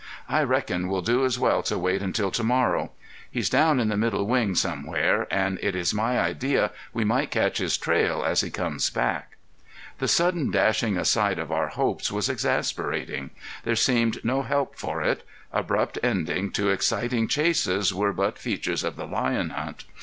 I reckon we'll do as well to wait until to morrow. He's down in the middle wing somewhere and it is my idea we might catch his trail as he comes back." The sudden dashing aside of our hopes was exasperating. There seemed no help for it; abrupt ending to exciting chases were but features of the lion hunt.